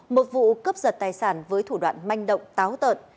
một vụ cướp giật tài sản với thủ đoạn manh động táo tợn